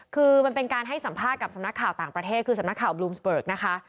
คือมันเป็นการให้สัมภาษณ์กับสำนักข่าวต่างประเทศคือสำนักข่าวบลูมสเบิกนะคะ